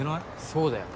そうだよ。